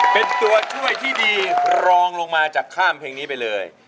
เป็นตัวช่วยที่ดีรองลงมาจากข้ามเพลงนี้ไปเลย